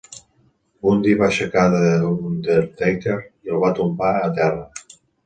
Bundy va aixecar The Undertaker i el va tombar a terra.